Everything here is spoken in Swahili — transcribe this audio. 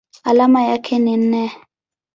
Alama yake ni Ne.